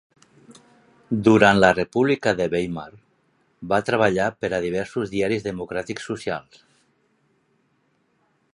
Durant la República de Weimar, va treballar per a diversos diaris democràtics socials.